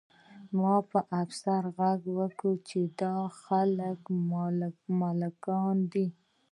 ما په افسر غږ وکړ چې دا خلک ملکیان دي